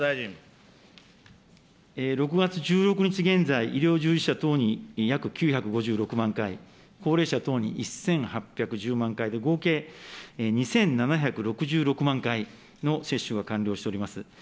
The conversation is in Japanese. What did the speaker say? ６月１６日現在、医療従事者等に約９５６万回、高齢者等に１８１０万回で、合計２７６６万回の接種が完了しております。